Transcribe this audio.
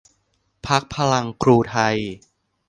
พรรคพลังครูไทย